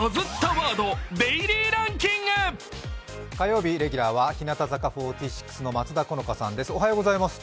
火曜日レギュラーは日向坂４６の松田好花さんです。